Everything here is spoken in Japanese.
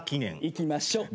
いきましょう。